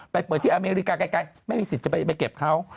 เปิดที่อเมริกาไกลไม่มีสิทธิ์จะไปเก็บเขา